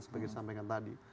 sebagai disampaikan tadi